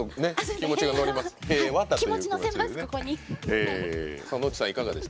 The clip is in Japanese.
気持ち乗せます。